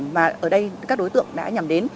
mà ở đây các đối tượng đã nhằm đến